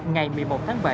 ngày một mươi một tháng bảy